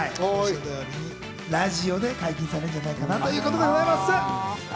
ラジオで解禁されるんじゃないかなということでございます。